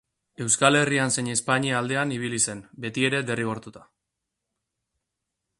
Euskal Herrian zein Espainia aldean ibili zen, betiere derrigortuta.